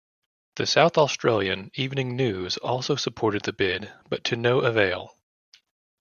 The South Australian "Evening News" also supported the bid, but to no avail.